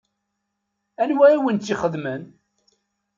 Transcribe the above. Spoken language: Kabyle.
Anwa i wen-tt-ixedmen?